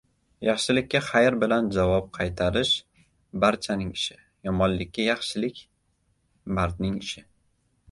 • Yaxshilikka xayr bilan javob qaytarish — barchaning ishi, yomonlikka yaxshilik — mardning ishi.